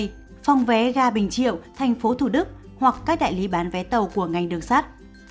phòng vé ga bình triệu tp thủ đức hoặc các đại lý bán vé tàu của ngành đường sắt